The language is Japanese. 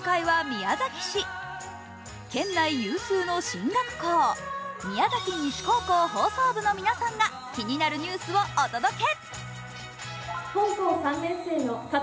宮崎西高校放送部の皆さんが気になるニュースをお届け。